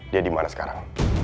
dia di mana sekarang